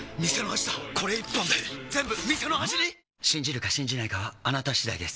信じるか信じないかはあなた次第です